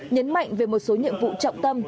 nhấn mạnh về một số nhiệm vụ trọng tâm